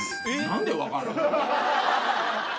何で分かるの？